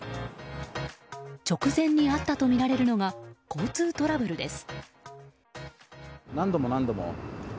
直前にあったとみられるのが交通トラブルです。